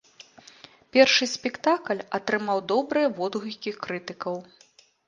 Першы спектакль атрымаў добрыя водгукі крытыкаў.